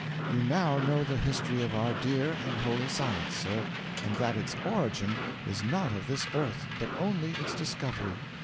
You now know the history of our dear and holy Science, sir, and that its origin is not of this earth, but only its discovery.